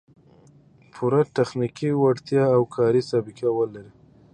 پوره تخنیکي وړتیا او کاري سابقه و لري